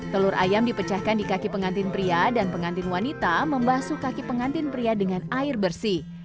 telur ayam dipecahkan di kaki pengantin pria dan pengantin wanita membasuh kaki pengantin pria dengan air bersih